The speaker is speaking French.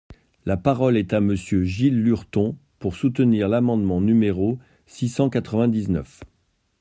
La parole est à Monsieur Gilles Lurton, pour soutenir l’amendement numéro six cent quatre-vingt-dix-neuf.